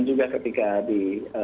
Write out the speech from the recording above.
juga ketika di